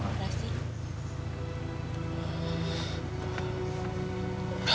kamu gak seneng ya mau operasi